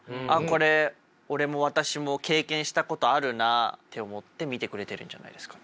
これ俺も私も経験したことあるなって思って見てくれるんじゃないですか。